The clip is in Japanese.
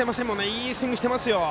いいスイングしてますよ。